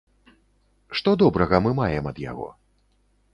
Што добрага мы маем ад яго?